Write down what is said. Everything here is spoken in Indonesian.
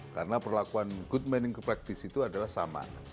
karena perlakuan good manning practice itu adalah sama